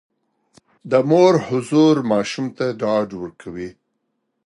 د مور حضور ماشوم ته ډاډ ورکوي.